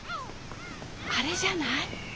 あれじゃない？